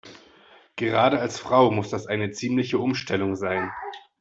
Gerade als Frau muss das eine ziemliche Umstellung sein.